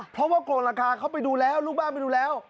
เพราะว่าโกงราคาเขาไปดูแล้วลูกบ้านไปดูแล้ว